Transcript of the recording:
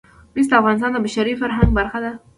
مس د افغانستان د بشري فرهنګ برخه ده.